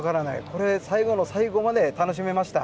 これ、最後の最後まで楽しめました。